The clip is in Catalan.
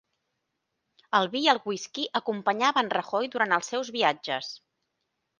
El vi i el whisky acompanyaven Rajoy durant els seus viatges